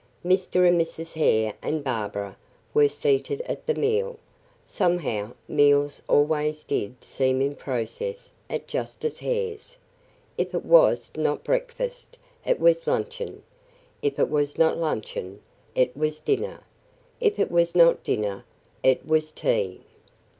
Mr. and Mrs. Hare and Barbara were seated at the meal; somehow, meals always did seem in process at Justice Hare's; if it was not breakfast, it was luncheon if it was not luncheon, it was dinner if it was not dinner, it was tea.